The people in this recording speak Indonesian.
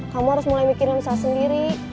kamu harus mulai bikin usaha sendiri